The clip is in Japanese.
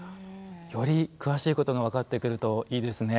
より詳しいことが分かってくるといいですね。